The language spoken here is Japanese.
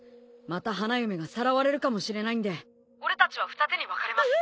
また花嫁がさらわれるかもしれないんで俺たちは二手に分かれます。